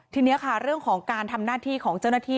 ทีนี้ค่ะเรื่องของการทำหน้าที่ของเจ้าหน้าที่